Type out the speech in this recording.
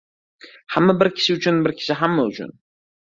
Hamma bir kishi uchun, bir kishi hamma uchun.